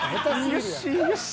よしよし。